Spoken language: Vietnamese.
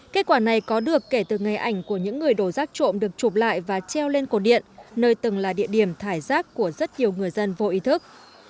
kết quả này có được kể từ ngày ảnh của những người đổ rác trộm được chụp lại và treo lên cổ điện nơi từng là địa điểm thải rác của rất nhiều người dân vô ý thức